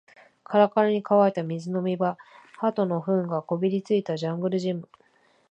カラカラに乾いた水飲み場、鳩の糞がこびりついたジャングルジム